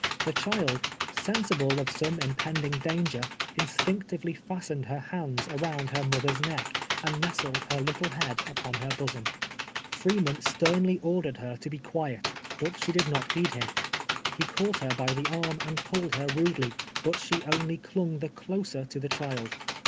The child, sensible of some impending danger, instinct ively fastened her hands around her mother's neck, and nestled her little head upon her bosom. Free man sternly ordered her to be quiet, but she did not heed him. He caught her by the arm and pulled her rudely, but she only clung the closer to the child.